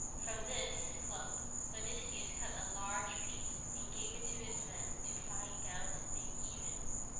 From this club Odysseus cut a large piece and gave it to his men to fine down and make even.